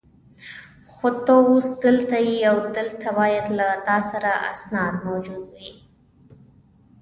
خو ته اوس دلته یې او دلته باید له تا سره اسناد موجود وي.